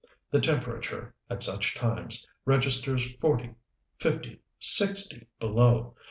The temperature, at such times, registers forty fifty sixty below.